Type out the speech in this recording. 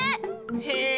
へえ！